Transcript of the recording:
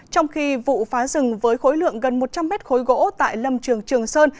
trong khi vụ phá rừng với khối lượng gần một trăm linh mét khối gỗ tại lâm trường trường sơn